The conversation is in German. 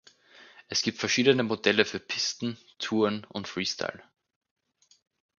Es gibt verschiedene Modelle für Pisten, Touren und Freestyle.